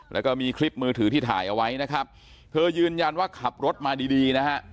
แล้วก็มีคลิปมือถือที่ถ่ายเอาไว้นะครับเธอยืนยันว่าขับรถมาดีดีนะฮะ